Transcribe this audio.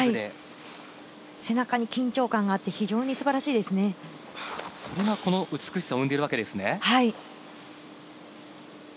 背中に緊張感があって非常にそれが美しさを生んでいるわけですね。